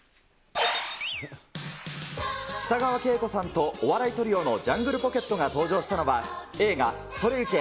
北川景子さんとお笑いトリオのジャングルポケットが登場したのは、映画、それいけ！